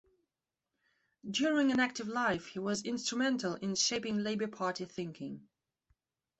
During an active life he was instrumental in shaping Labour Party thinking.